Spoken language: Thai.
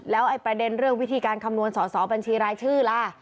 แล้วประเด็นเรื่องวิธีการคำนวณสอสอบัญชีรายชื่อล่ะ